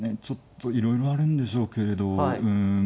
ちょっといろいろあるんでしょうけれど。